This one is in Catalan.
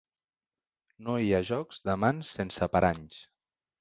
No hi ha jocs de mans sense paranys.